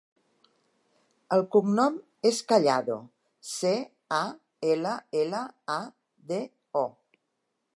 El cognom és Callado: ce, a, ela, ela, a, de, o.